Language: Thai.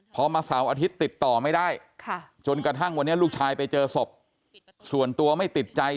พอมาเสาร์อาทิตย์ติดต่อไม่ได้จนกระทั่งวันนี้ลูกชายไปเจอศพส่วนตัวไม่ติดใจ